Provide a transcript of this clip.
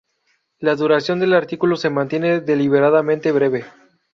La duración del artículo se mantiene deliberadamente breve.